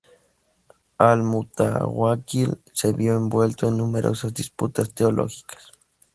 Al-Mutawákkil se vio envuelto en numerosas disputas teológicas.